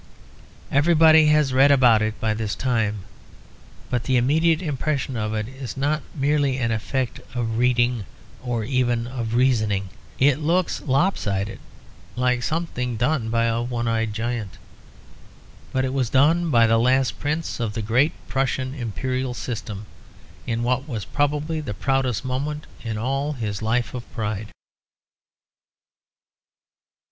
Everybody has read about it by this time; but the immediate impression of it is not merely an effect of reading or even of reasoning. It looks lop sided; like something done by a one eyed giant. But it was done by the last prince of the great Prussian imperial system, in what was probably the proudest moment in all his life of pride.